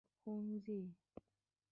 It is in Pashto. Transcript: ښوونځي